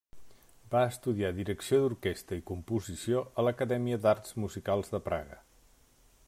Va estudiar direcció d'orquestra i composició a l'Acadèmia d'Arts Musicals de Praga.